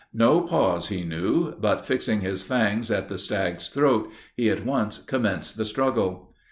'No pause he knew,' but, fixing his fangs in the stag's throat, he at once commenced the struggle.